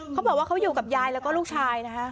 เขาบอกว่าเขาอยู่กับยายแล้วก็ลูกชายนะคะ